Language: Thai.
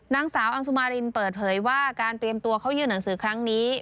นางสาวอังสุมารินเปิดเผยว่าการเตรียมตัวเข้ายื่นหนังสือครั้งนี้